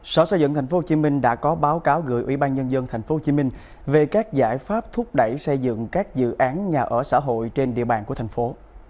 sở xây dựng tp hcm đã có báo cáo gửi ủy ban nhân dân tp hcm về các giải pháp thúc đẩy xây dựng các dự án nhà ở xã hội trên địa bàn của thành phố